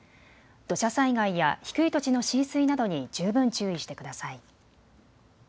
土砂災害や低い土地の浸水などに十分注意してください。